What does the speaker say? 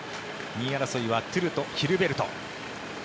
２位争いはトゥルとヒルベルト。